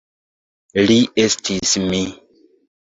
Li estas mi.